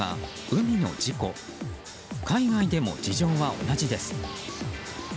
海外でも事情は同じです。